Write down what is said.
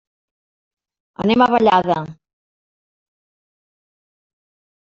Anem a Vallada.